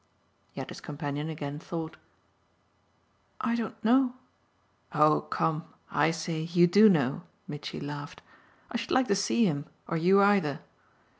Yet his companion again thought. "I don't know." "Oh come I say: You do know," Mitchy laughed. "I should like to see him or you either!"